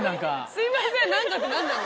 「すいません何か」って何なの？